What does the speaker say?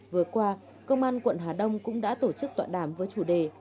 vừa qua công an quận hà đông cũng đã tổ chức tọa đàm với chủ đề